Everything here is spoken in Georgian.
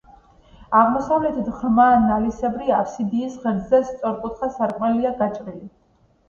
აღმოსავლეთით, ღრმა ნალისებრი აფსიდის ღერძზე სწორკუთხა სარკმელია გაჭრილი.